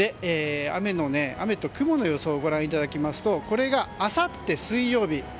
雨と雲の予想をご覧いただくとこれがあさって水曜日。